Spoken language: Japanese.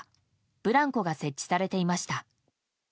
ブランコが設置されていました。